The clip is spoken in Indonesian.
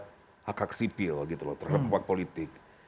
terhadap hak hak sipil gitu loh terhadap hak politik